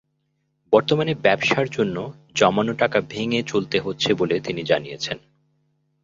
বর্তমানে ব্যবসার জন্য জমানো টাকা ভেঙে চলতে হচ্ছে বলে তিনি জানিয়েছেন।